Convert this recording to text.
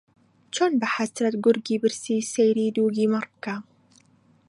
چۆن بە حەسرەت گورگی برسی سەیری دووگی مەڕ بکا